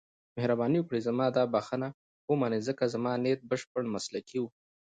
مهرباني وکړئ زما دا بښنه ومنئ، ځکه زما نیت بشپړ مسلکي و.